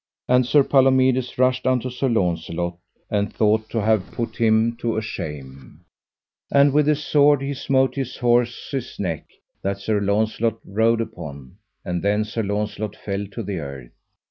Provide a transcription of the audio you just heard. And Sir Palomides rushed unto Sir Launcelot, and thought to have put him to a shame; and with his sword he smote his horse's neck that Sir Launcelot rode upon, and then Sir Launcelot fell to the earth.